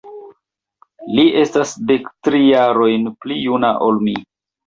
Li estas dektri jarojn pli juna ol mi.